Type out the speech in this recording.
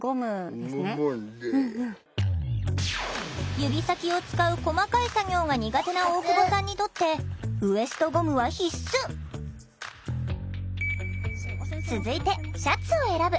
指先を使う細かい作業が苦手な大久保さんにとって続いてシャツを選ぶ。